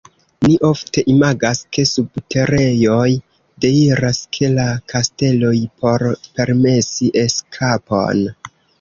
Ni ofte imagas, ke subterejoj deiras de la kasteloj por permesi eskapon.